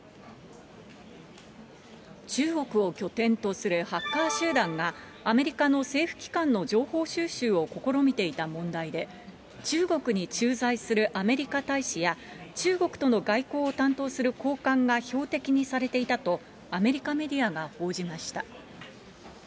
中国を拠点とするハッカー集団が、アメリカの政府機関の情報収集を試みていた問題で、中国に駐在するアメリカ大使や、中国との外交を担当する高官が標的にされていたとアメリカメディアが報じました。